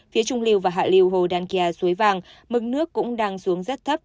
phía trung liều và hạ liều hồ đan kìa suối vàng mực nước cũng đang xuống rất thấp